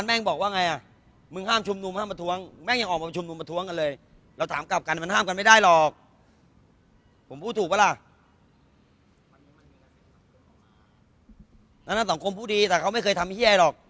นั้นต่อสอบของผู้ดีแต่เขาไม่เคยทำเฮี้ยหรอก